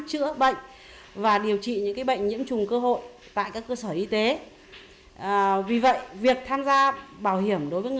chữa bệnh và điều trị những bệnh nhiễm trùng cơ hội